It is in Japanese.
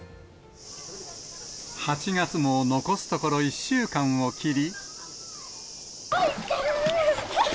８月も残すところ１週間を切り。